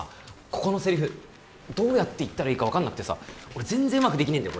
ここのセリフどうやって言ったらいいか分かんなくてさ俺全然うまくできねえんだよ